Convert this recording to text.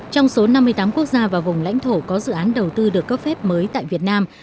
trong số năm mươi tám quốc gia và vùng lãnh thổ có dự án đầu tư được cấp phép mới tại việt nam